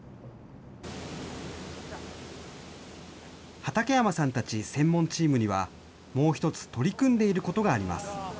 畠山さんたち専門チームには、もう１つ、取り組んでいることがあります。